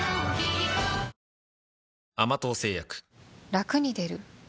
ラクに出る？